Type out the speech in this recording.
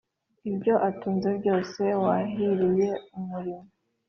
ibyo atunze byose? Wahiriye umurimo